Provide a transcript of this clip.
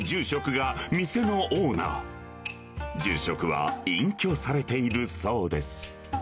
住職は隠居されているそうです。